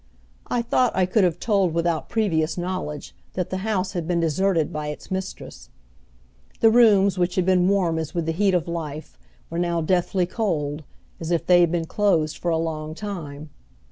I thought I could have told without previous knowledge that the house had been deserted by its mistress. The rooms which had been warm as with the heat of life were now deathly cold, as if they had been closed for a long time.